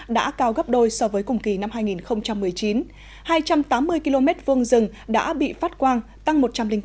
đã cao gấp đôi so với cùng kỳ năm hai nghìn một mươi chín hai trăm tám mươi km vuông rừng đã bị phát quang tăng một trăm linh tám